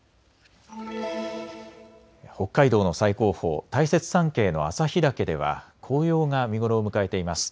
北海道の最高峰、大雪山系の旭岳では紅葉が見頃を迎えています。